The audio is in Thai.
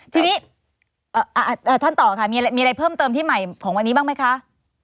ทีนี้ท่านต่อค่ะมีอะไรเพิ่มเติมที่ใหม่ของวันนี้บ้างไหมคะ